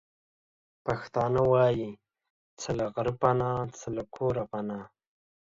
پښتانه وايې:څه له غره پنا، څه له کوره پنا.